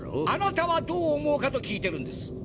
あなたはどう思うかと聞いてるんです。